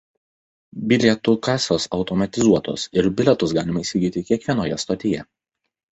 Bilietų kasos automatizuotos ir bilietus galima įsigyti kiekvienoje stotyje.